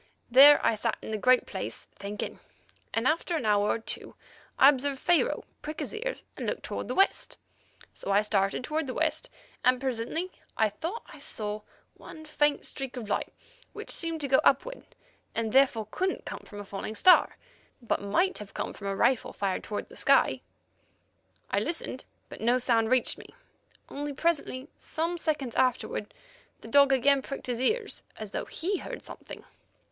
There I sat in that great place, thinking, and after an hour or two I observed Pharaoh prick his ears and look toward the west. So I also started toward the west, and presently I thought that I saw one faint streak of light which seemed to go upward, and therefore couldn't come from a falling star, but might have come from a rifle fired toward the sky. "I listened, but no sound reached me, only presently, some seconds afterwards, the dog again pricked his ears as though he heard something.